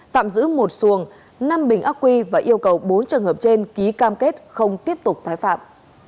tạm giữ một xuồng năm bình ác quy và yêu cầu bốn trường hợp trên ký cam kết không tiếp tục tái phạm